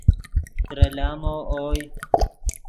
ترے لامو اوئے